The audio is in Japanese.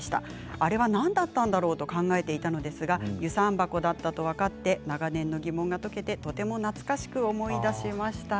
あれは何だったんだろう？と考えていたのですが遊山箱だったと分かって長年の疑問が解けてとても懐かしく思い出しました。